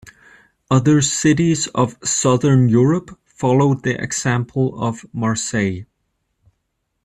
Other cities of southern Europe followed the example of Marseille.